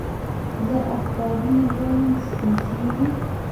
زه اخبارونه لولم، څه پېښېږي؟